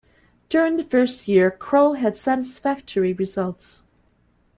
During the first year Kroll had satisfactory results.